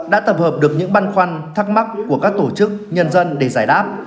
đã tập hợp được những băn khoăn thắc mắc của các tổ chức nhân dân để giải đáp